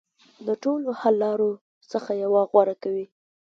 د ټولو حل لارو څخه یوه غوره کوي.